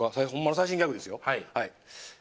最新ギャグですよ。